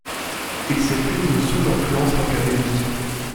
Il s'épuise au sous l'influence académique.